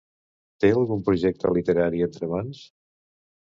Té algun projecte literari entre mans?